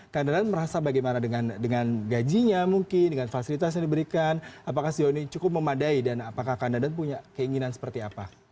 kang dadan merasa bagaimana dengan gajinya mungkin dengan fasilitas yang diberikan apakah sejauh ini cukup memadai dan apakah kang dadan punya keinginan seperti apa